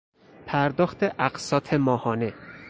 پرداخت اقساط ماهانه